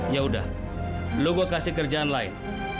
ya udah kamu kasih kerjaan lain